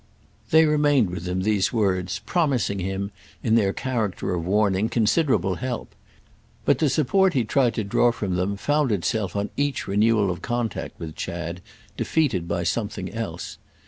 They remained with him, these words, promising him, in their character of warning, considerable help; but the support he tried to draw from them found itself on each renewal of contact with Chad defeated by something else.